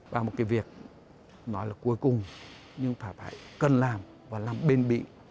và một cái việc nói là cuối cùng nhưng phải cần làm và làm bên bị